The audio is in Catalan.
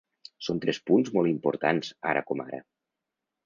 Són tres punts molt importants ara com ara.